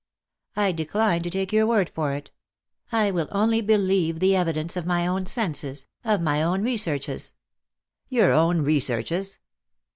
"I decline to take your word for it. I will only believe the evidence of my own senses, of my own researches." "Your own researches?"